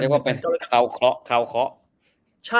เรียกว่าเป็นคาวเคราะห์